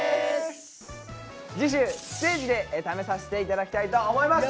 次週ステージで試させて頂きたいと思います。